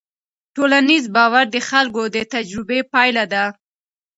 ټولنیز باور د خلکو د تجربو پایله ده.